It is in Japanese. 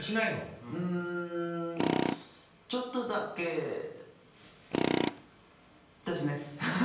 うんちょっとだけですね。